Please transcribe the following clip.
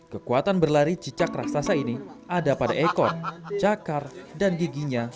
kekuatan berlari cicak raksasa ini ada pada ekor cakar dan giginya